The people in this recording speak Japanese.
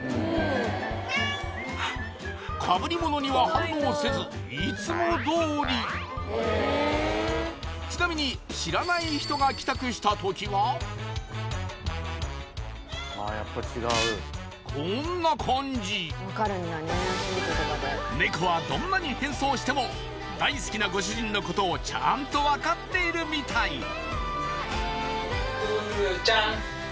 かぶりものには反応せずいつもどおりちなみにこんな感じネコはどんなに変装しても大好きなご主人のことをちゃんと分かっているみたいくうちゃん